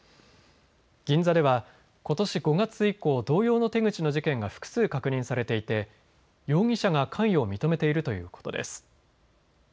銀座ではことし５月以降、同様の手口の事件が複数確認されていて容疑者が関与を認めているということです。